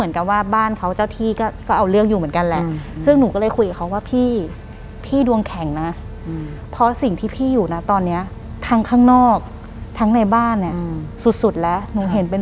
หลังจากนั้นเราไม่ได้คุยกันนะคะเดินเข้าบ้านไปต่อผู้หญิงคนนี้ก็ยังเดินตามเรามาอยู่แต่อยู่แค่หน้าบ้านอืม